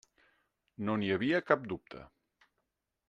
No n'hi havia cap dubte.